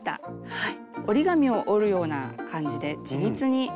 はい。